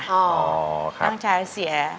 หน้าไฟน้องชายเสีย